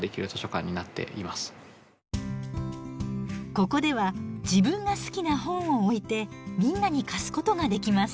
ここでは自分が好きな本を置いてみんなに貸すことができます。